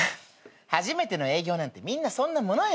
初めての営業なんてみんなそんなものよ。